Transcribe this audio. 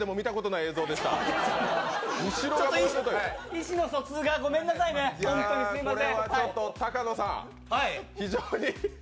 意思の疎通がごめんなさいね、本当に、すみません。